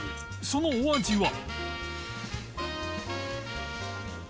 そのお味は？